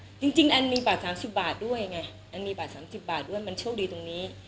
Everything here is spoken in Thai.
โอเคอะค่ะจริงอันมีบัตร๓๐บาทด้วยไงอันมีบัตร๓๐บาทด้วยมันโชคดีตรงนี้